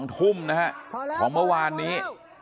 ๒ทุ่มนะฮะของเมื่อวานนี้